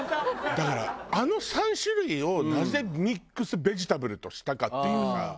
だからあの３種類をなぜミックスベジタブルとしたかっていうのが。